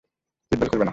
Seat belt খুলবে না।